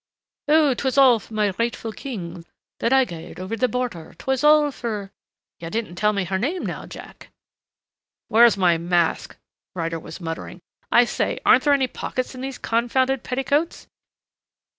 "Oh, 'twas all for my rightful king, That I gaed o'er the border; Twas all for "You didn't tell me her name, now, Jack." "Where's my mask?" Ryder was muttering. "I say, aren't there any pockets in these confounded petticoats?"